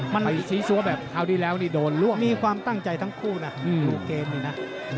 มันสีซัวร์แบบคราวดีแล้วนี่โดนร่วมมีความตั้งใจทั้งคู่นะดูเกณฑ์นี่นะ